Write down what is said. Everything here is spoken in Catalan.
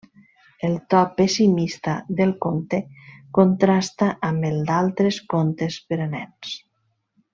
El to pessimista del conte contrasta amb el d'altres contes per a nens.